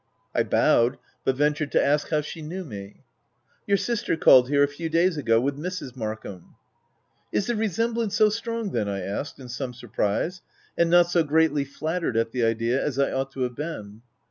I bowed, but ventured to ask how she knew me. " Your sister called here, a few r days ago, with Mrs. Markham." f? Is the resemblance so strong then ? w I asked in some surprise, and not so greatly flattered at the idea as I ought to have been.